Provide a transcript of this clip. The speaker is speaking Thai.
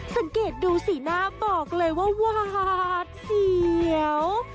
สังเกตดูสีหน้าบอกเลยว่าหวาดเสียว